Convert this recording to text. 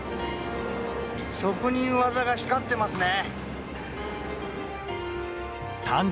職人技が光ってますね。